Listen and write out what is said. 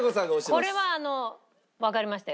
これはあのわかりましたよ。